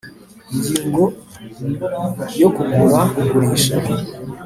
Ingingo ya kugura kugurisha